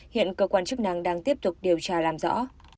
hiện cơ quan chức năng đang tiếp tục điều tra làm rõ